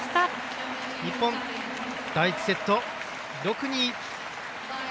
日本、第１セット６−２。